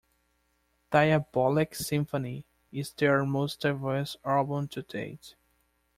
"Diabolic Symphony" is their most diverse album to date.